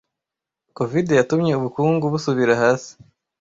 COVID yatumye ubukungu busubira hasi.